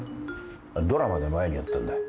ドラマで前にやったんだ。